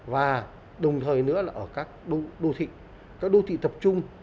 và đồng thời nữa là ở các đô thị các đô thị tập trung